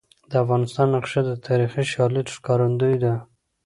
د افغانستان نقشه د تاریخي شالید ښکارندوی ده.